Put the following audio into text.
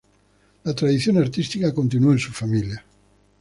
La tradición artística continuó en su familia.